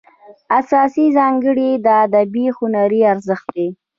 اساسي ځانګړنه یې ادبي هنري ارزښت دی.